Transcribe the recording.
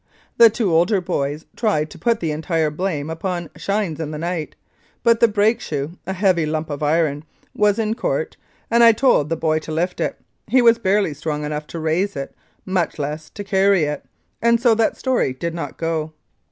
The two older boys tried to put the entire blame upon " Shines in the night," but the brake shoe (a heavy lump of iron) was in court, and I told the boy to lift it. He was barely strong enough to raise it, much less to carry it, and so that story did not go.